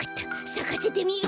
さかせてみる！